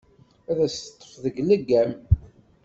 Ad as-teṭṭef deg leggam.